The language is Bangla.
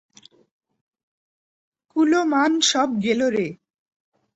কুল-মান সব গেলো রে!